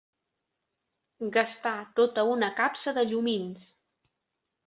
Gastar tota una capsa de llumins.